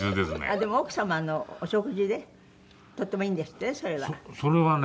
でも奥様のお食事でとてもいいんですってねそれは。それはね